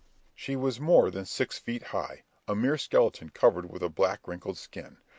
She was more than six feet high, a mere skeleton covered with a black wrinkled skin.